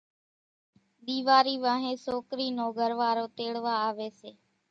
ۮيوارِي وانھين سوڪرِي نو گھروارو تيڙوا آوي سي